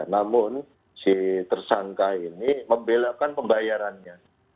namun si tersangka ini membelakan pembayarannya